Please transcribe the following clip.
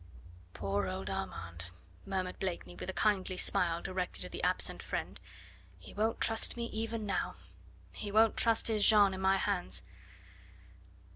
"Poor old Armand," murmured Blakeney with a kindly smile directed at the absent friend, "he won't trust me even now. He won't trust his Jeanne in my hands.